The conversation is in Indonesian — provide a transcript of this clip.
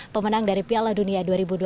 pemenang dari piala dunia dua ribu dua puluh